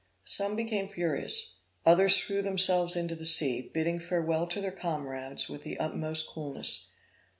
Some became furious; others threw themselves into the sea, bidding farewell to their comrades with the utmost coolness.